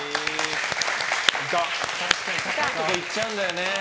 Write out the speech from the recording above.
高いところ行っちゃうんだよね。